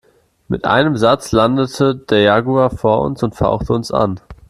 Mit einem Satz landete der Jaguar vor uns und fauchte uns an.